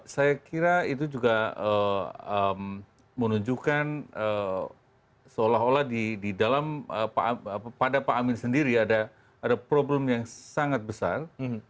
saya kira itu juga menunjukkan seolah olah di dalam pada pak amin sendiri ada problem yang sangat besar